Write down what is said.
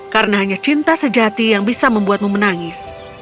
karena hanya cinta sejati yang bisa membuatmu menangis